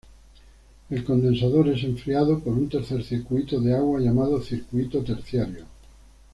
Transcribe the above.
El condensador es enfriado por un tercer circuito de agua llamado circuito terciario.